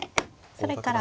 それから。